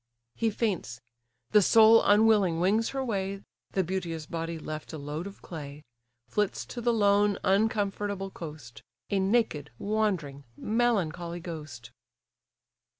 He faints: the soul unwilling wings her way, (The beauteous body left a load of clay) Flits to the lone, uncomfortable coast; A naked, wandering, melancholy ghost!